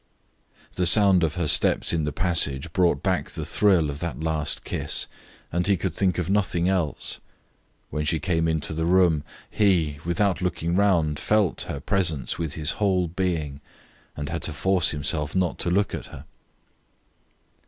The sound of her steps in the passage brought back the thrill of that last kiss and he could think of nothing else. When she came into the room he, without looking round, felt her presence with his whole being and had to force himself not to look at her.